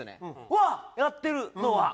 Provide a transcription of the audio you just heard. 「わっやってる」の「わ」